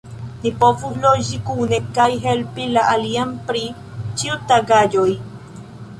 Ni povus loĝi kune kaj helpi la alian pri ĉiutagaĵoj.